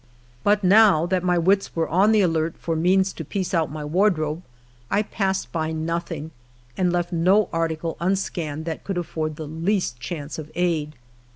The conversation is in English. l5ut now that my wits were on the alert for means to ])iece out my wardrobe, 1 passed by nothing, and left no article unscanned that could afford the least chance of aid.